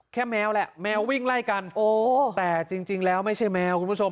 แมวแหละแมววิ่งไล่กันแต่จริงแล้วไม่ใช่แมวคุณผู้ชม